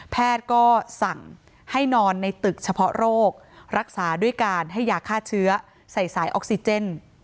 แพทย์ก็สั่งให้นอนในตึกเฉพาะโรครักษาด้วยการให้ยาฆ่าเชื้อใส่สายออกซิเจน